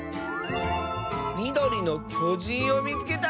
「みどりのきょじんをみつけた！」。